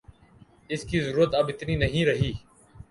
اس کی ضرورت اب اتنی نہیں رہی